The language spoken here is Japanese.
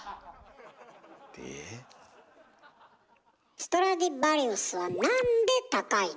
ストラディヴァリウスはなんで高いの？